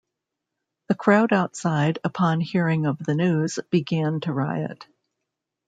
The crowd outside, upon hearing of the news, began to riot.